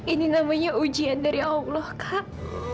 ini namanya ujian dari allah kak